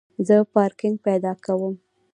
زه پارکینګ پیدا کوم